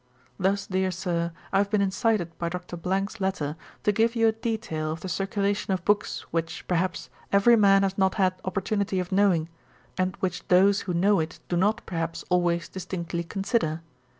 'Thus, dear Sir, I have been incited by Dr. 's letter to give you a detail of the circulation of books, which, perhaps, every man has not had opportunity of knowing; and which those who know it, do not, perhaps, always distinctly consider.